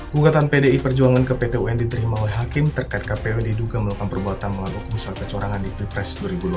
gugatan pdi perjuangan ke pt un diterima oleh hakim terkait kpu diduga melakukan perbuatan melawan hukum soal kecurangan di pilpres dua ribu dua puluh